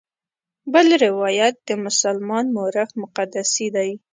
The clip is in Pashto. بل روایت د مسلمان مورخ مقدسي دی.